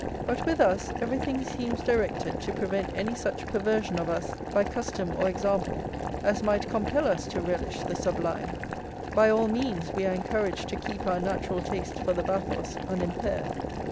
But with us everything seems directed to prevent any such perversion of us by custom or example as might compel us to relish the sublime; by all means we are encouraged to keep our natural taste for the bathos unimpaired.